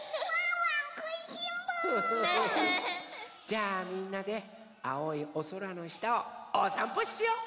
じゃあみんなであおいおそらのしたをおさんぽしよう！